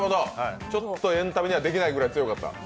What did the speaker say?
ちょっとエンタメにはできないぐらい強かった。